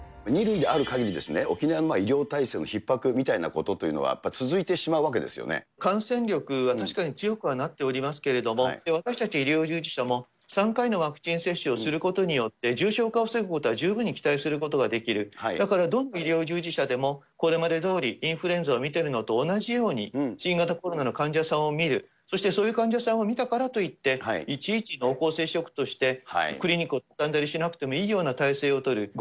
２類であるかぎり、沖縄のような医療体制のひっ迫みたいなことというのは、続いてし感染力が確かに強くはなっておりますけれども、私たち、医療従事者も３回のワクチン接種をすることによって、重症化を防ぐことは十分に期待することができる、だからどの医療従事者でも、これまでどおりインフルエンザを見てるのと同じように、新型コロナの患者さんを診る、そしてそういう患者さんを診たからといって、いちいち濃厚接触としてクリニックを畳んだりしなくてもよい体制を取る。